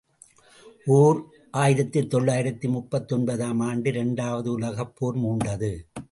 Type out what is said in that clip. ஓர் ஆயிரத்து தொள்ளாயிரத்து முப்பத்தொன்பது ஆம் ஆண்டு இரண்டாவது உலகப் போர் மூண்டது.